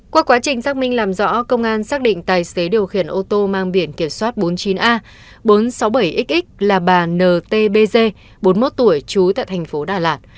qua quá trình xác minh làm rõ công an xác định tài xế điều khiển ô tô mang biển kiểm soát bốn mươi chín a bốn trăm sáu mươi bảy x là bà ntg bốn mươi một tuổi trú tại thành phố đà lạt